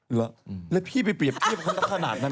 เหลือแล้วพี่ไปเปรียบพี่มาขนาดนั้น